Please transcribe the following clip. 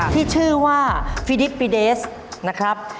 ที่ชื่อว่าฟิลิปปิเดสนะครับ